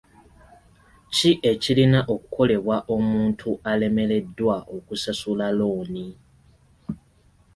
Ki ekirina okukolebwa omuntu alemereddwa okusasula looni?